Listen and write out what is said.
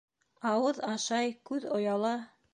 Ауыҙ ашай, күҙ ояла.